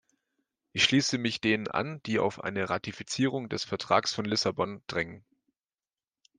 Ich schließe mich denen an, die auf eine Ratifizierung des Vertrags von Lissabon drängen.